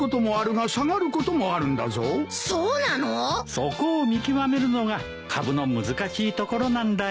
そこを見極めるのが株の難しいところなんだよ。